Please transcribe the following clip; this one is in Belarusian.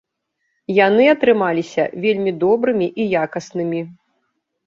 Яны атрымаліся вельмі добрымі і якаснымі.